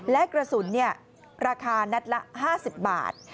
และกระสุนราคานัดละ๕๐บาท